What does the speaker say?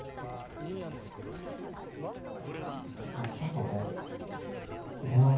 あっちょっと俺電話。